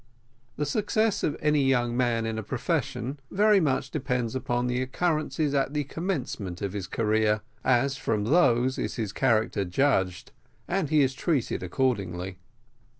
The success of any young man in a profession very much depends upon the occurrences at the commencement of his career, as from those is his character judged, and he is treated accordingly.